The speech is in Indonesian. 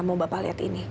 kamu fact moment ini